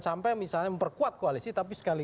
sampai misalnya memperkuat koalisi tapi sekali